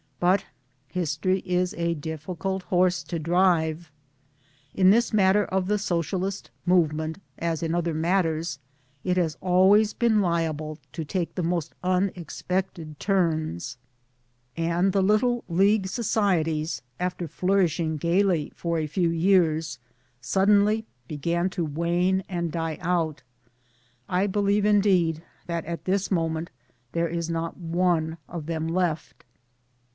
But History is a difficult horse to drive. In this matter of the Socialist movement, as in other matters, it has always been liable to take the most unexpected turns ; and the little League societies after flourishing gaily for, a few years suddenly began to wane and die out ; I believe indeed that at this moment there is not one of them left.